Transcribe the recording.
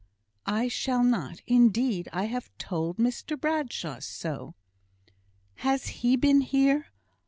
"I shall not, indeed. I have told Mr Bradshaw so." "Has he been here?